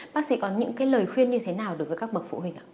bác sĩ có những lời khuyên như thế nào đối với các bậc phụ huynh ạ